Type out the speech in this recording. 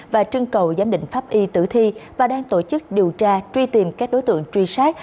và trưng cầu giám định pháp y tử thi và đang tổ chức điều tra truy tìm các đối tượng truy sát